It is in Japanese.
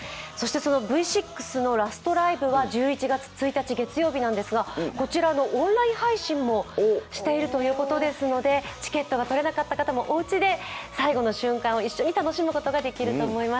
Ｖ６のラストライブ、こちらオンライン配信もしているということですので、チケットが取れなかった方もおうちで最後の瞬間を一緒に楽しむことができると思います